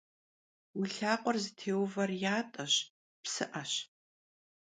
Vui lhakhuer zıtêuver yat'eş, psı'eş.